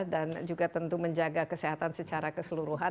dan juga tentu menjaga kesehatan secara keseluruhan